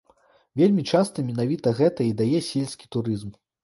Вельмі часта менавіта гэта і дае сельскі турызм.